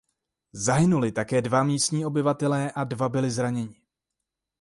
Zahynuli také dva místní obyvatelé a dva byli zraněni.